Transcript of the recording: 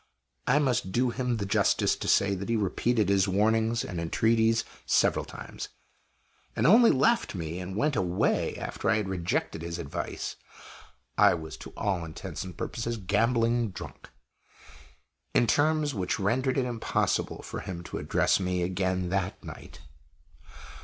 I must do him the justice to say that he repeated his warnings and entreaties several times, and only left me and went away after I had rejected his advice (I was to all intents and purposes gambling drunk) in terms which rendered it impossible for him to address me again that night.